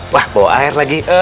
wah bawa air lagi